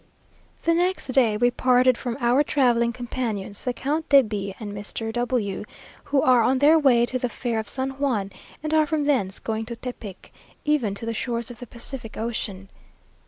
The next day we parted from our travelling companions, the Count de B and Mr. W , who are on their way to the fair of San Juan, and are from thence going to Tepic, even to the shores of the Pacific Ocean.